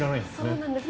そうなんです。